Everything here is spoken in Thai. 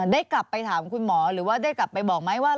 ได้กลับไปถามคุณหมอหรือว่าได้กลับไปบอกไหมว่า